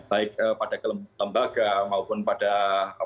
baik pada kelembaga maupun pada